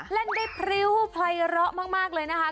เล่นได้พริ๊วภัยเราะมากเลยนะคะ